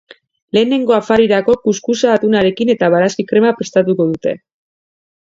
Lehenengo afarirako, kuskusa atunarekin eta barazki-krema prestatuko dute.